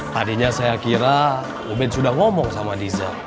tadinya saya kira ubed sudah ngomong sama diza